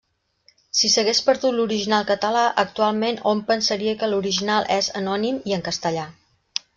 Si s'hagués perdut l'original català, actualment hom pensaria que l'original és anònim i en castellà.